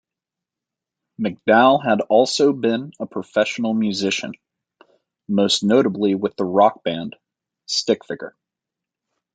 McDowell has also been a professional musician, most notably with the rock band, Stickfigure.